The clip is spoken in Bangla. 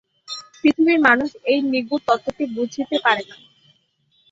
পৃথিবীর মানুষ এই নিগূঢ় তত্ত্বটি বুঝিতে পারে না।